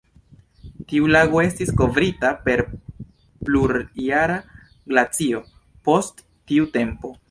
Tiu lago estis kovrita per plurjara glacio post tiu tempo.